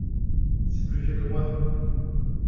C'est plus vieux que moi.